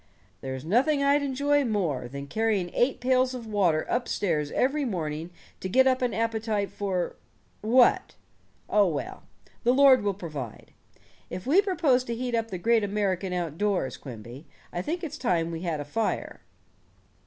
"There's nothing I'd enjoy more than carrying eight pails of water up stairs every morning to get up an appetite for what? Oh, well, the Lord will provide. If we propose to heat up the great American outdoors, Quimby, I think it's time we had a fire."